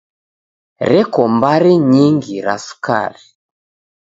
Reko mbari nyingi ra sukari.